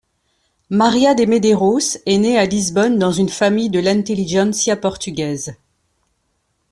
Maria de Medeiros est née à Lisbonne dans une famille de l'intelligentsia portugaise.